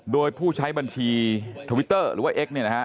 โดยผู้ใช้บัญชีทวิตเตอร์หรือว่าเอ็กซ์เนี่ยนะฮะ